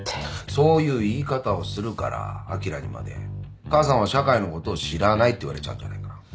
そういう言い方をするからあきらにまで「母さんは社会のことを知らない」って言われちゃうんじゃないか。